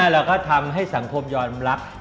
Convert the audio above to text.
เราก็ทำให้สังคมยอมรับ